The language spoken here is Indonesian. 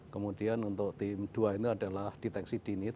kemudian untuk tim dua ini adalah deteksi dini